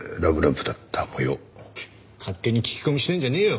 ケッ勝手に聞き込みしてんじゃねえよ。